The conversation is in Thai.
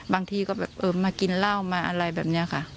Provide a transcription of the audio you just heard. บางทีก็แบบเออมากินเหล้ามาอะไรแบบนี้ค่ะ